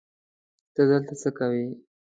ته دلته څه کوی